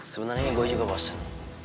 sebenarnya gue juga bosen